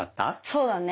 そうだね。